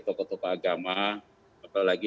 tokoh tokoh agama apalagi